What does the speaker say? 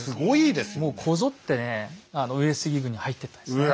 もうこぞってね上杉軍に入っていったんですね。